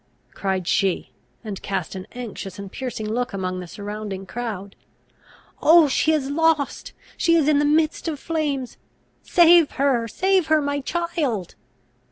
cried she, and cast an anxious and piercing look among the surrounding crowd. "Oh, she is lost! she is in the midst of flames! Save her! save her! my child!"